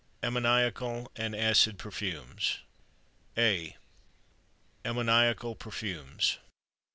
AMMONIACAL AND ACID PERFUMES. A. AMMONIACAL PERFUMES.